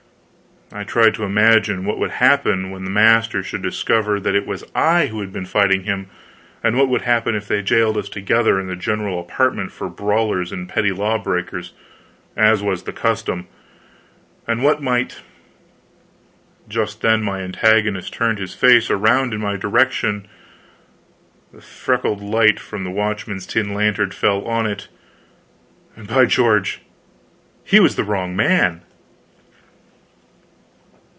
I tried to imagine what would happen when the master should discover that it was I who had been fighting him; and what would happen if they jailed us together in the general apartment for brawlers and petty law breakers, as was the custom; and what might Just then my antagonist turned his face around in my direction, the freckled light from the watchman's tin lantern fell on it, and, by George, he was the wrong man!